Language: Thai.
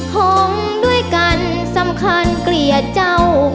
ของด้วยกันสำคัญเกลี่ยเจ้า